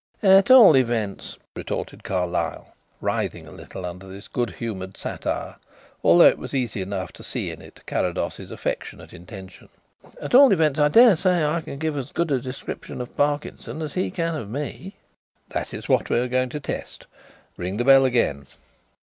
"At all events," retorted Carlyle, writhing a little under this good humoured satire, although it was easy enough to see in it Carrados's affectionate intention "at all events, I dare say I can give as good a description of Parkinson as he can give of me." "That is what we are going to test. Ring the bell again."